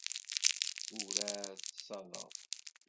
Ur εad ṣaddeɣ.